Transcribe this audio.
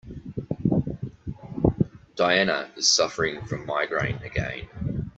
Diana is suffering from migraine again.